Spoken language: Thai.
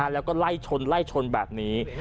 แล้วก็ไล่ชน